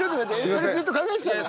それずっと考えてたの？